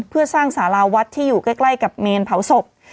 เพื่อสร้างสาราวัดที่อยู่ใกล้กับเมนเผาศพ